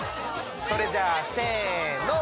それじゃあせの。